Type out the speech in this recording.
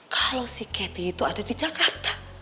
kalau si keti itu ada di jakarta